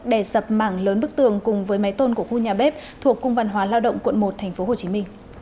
đè sập mảng lớn bức tường cùng với máy tôn của khu nhà bếp thuộc cung văn hóa lao động quận một tp hcm